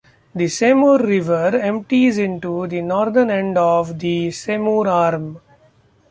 The Seymour River empties into the northern end of the Seymour Arm.